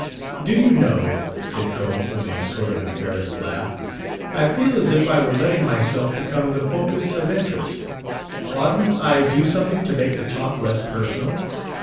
"Do you know," said Cope, with a sort of embarrassed laugh, "I feel as if I were letting myself become the focus of interest. Oughtn't I to do something to make the talk less personal?"